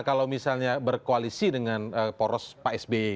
kalau misalnya berkoalisi dengan poros pak sby